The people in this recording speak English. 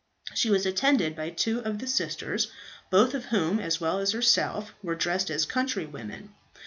She was attended by two of the sisters, both of whom, as well as herself, were dressed as countrywomen.